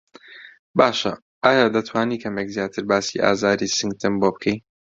باشه ئایا دەتوانی کەمێک زیاتر باسی ئازاری سنگتم بۆ بکەی؟